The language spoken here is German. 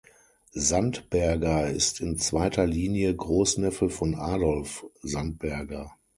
Sandberger ist in zweiter Linie Großneffe von Adolf Sandberger.